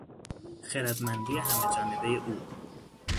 خردمندی همه جانبهی او